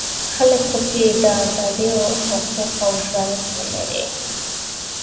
خلک په کې د ازادیو حقوق او ژوند ولري.